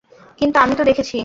কিন্তু আমি তো দেখেছি।